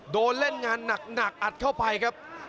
โดนเล่นงานหนักอัดเข้าไปครับ